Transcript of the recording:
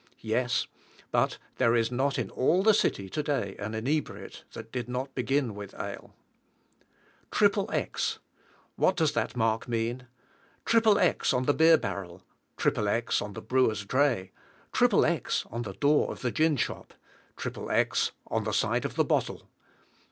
Yes; but there is not in all the city to day an inebriate that did not begin with ale. "XXX:" What does that mark mean? XXX on the beer barrel: XXX on the brewer's dray: XXX on the door of the gin shop: XXX on the side of the bottle.